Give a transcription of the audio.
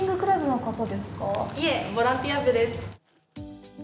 いえ、ボランティア部です。